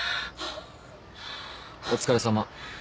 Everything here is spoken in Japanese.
お疲れさま。